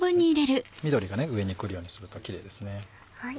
緑が上にくるようにするとキレイですね。